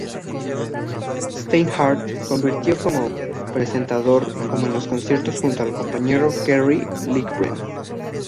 Steinhardt contribuyó como presentador en los conciertos junto a su compañero Kerry Livgren.